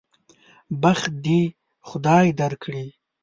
بخت دې خدای درکړي.